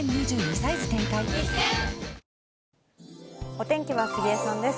お天気は杉江さんです。